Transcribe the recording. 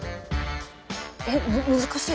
えっ難しい。